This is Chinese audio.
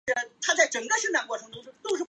昂格拉尔。